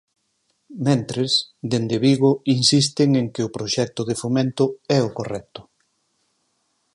Mentres, dende Vigo insisten en que o proxecto de Fomento é o correcto.